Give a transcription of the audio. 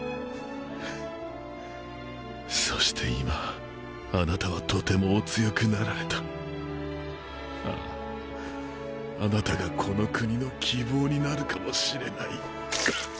そして今あなたはとてもお強くなられたあああなたがこの国の希望になるかもしれない。